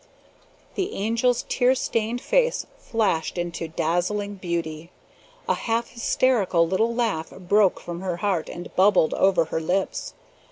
The Angel's tear stained face flashed into dazzling beauty. A half hysterical little laugh broke from her heart and bubbled over her lips.